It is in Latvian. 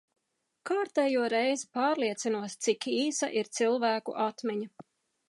Kārtējo reizi pārliecinos, cik īsa ir cilvēku atmiņa.